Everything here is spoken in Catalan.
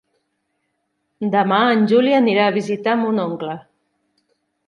Demà en Juli anirà a visitar mon oncle.